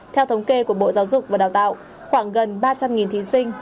theo thống kê của bộ giáo dục và đào tạo khoảng gần ba trăm linh thí sinh